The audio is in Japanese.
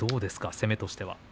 攻めとしては。